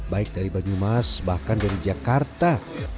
baik dari banyumas bahkan dari jakarta